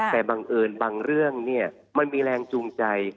แต่บังเอิญบางเรื่องเนี่ยมันมีแรงจูงใจ